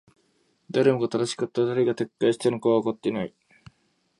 誰もが正しかった。誰が撤去したのかはわからない。